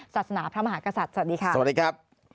ศาสนาพระมหากษัตริย์สวัสดีครับ